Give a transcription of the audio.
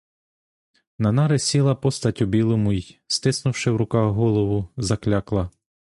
На нари сіла постать у білому й, стиснувши в руках голову, заклякла.